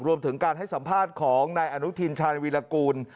รวมถึงการให้สัมภาษณ์ของนายอนุทินชาญวีรกูล